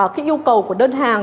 cái yêu cầu của đơn hàng